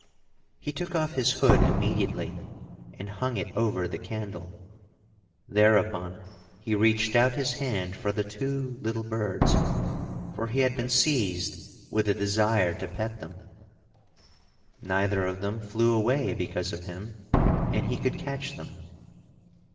He took off his hood immediately, and hung it over the candle. Thereupon he reached out his hand for the two little birds, for he had been seized with a desire to pet them. Neither of them flew away because of him, and he could catch them.